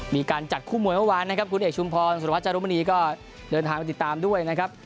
มีการจัดคู่มวยเมื่อวานนะครับคุณเอกชุมพรสุรวัชรุมณีก็เดินทางมาติดตามด้วยนะครับ